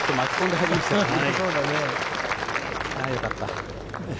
あ、よかった。